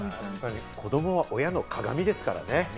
子供は親の鏡ですからね。